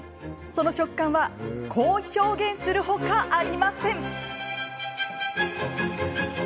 その食感はこう表現する他ありません。